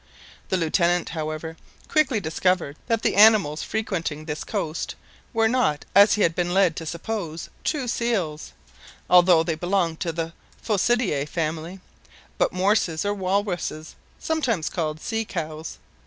The Lieutenant, however, quickly discovered that the animals frequenting this coast were not, as he had been led to suppose, true seals, although they belonged to the Phocidæ family, but morses or walruses, sometimes called sea cows.